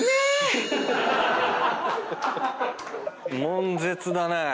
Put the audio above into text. もん絶だね。